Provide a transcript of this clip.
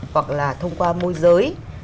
hoặc là thông qua môi giới